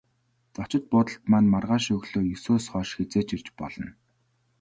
Зочид буудалд маань маргааш өглөө есөөс хойш хэзээ ч ирж болно.